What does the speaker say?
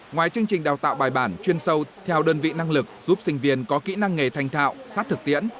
ngoài chương trình đào tạo bài bản chuyên sâu theo đơn vị năng lực giúp sinh viên có kỹ năng nghề thanh thạo sát thực tiễn